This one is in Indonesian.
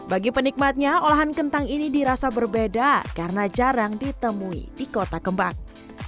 bagi penikmatnya olahan kentang ini dirasa berbeda karena jarang ditemui di kota kembang